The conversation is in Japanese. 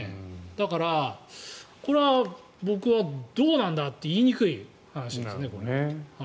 だから、これは僕はどうなんだっていいにくい話ですね。